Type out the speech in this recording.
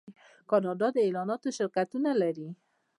کاناډا د اعلاناتو شرکتونه لري.